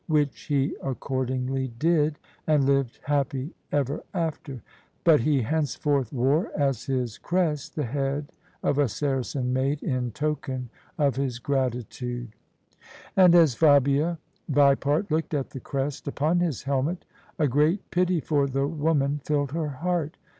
Which he accordingly did, and lived happy ever after: but he henceforth wore as his crest the head of a Saracen maid, in token of his gratitude. And as Fabia Vipart looked at the crest upon his helmet, a great pity for the woman filled her heart.